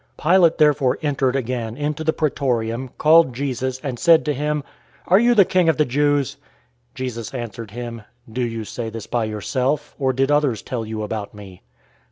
018:033 Pilate therefore entered again into the Praetorium, called Jesus, and said to him, "Are you the King of the Jews?" 018:034 Jesus answered him, "Do you say this by yourself, or did others tell you about me?"